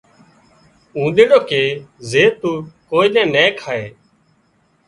اونۮيڙو ڪي زي تون ڪوئي نين نين کائي